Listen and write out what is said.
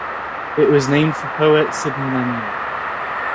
It was named for poet Sidney Lanier.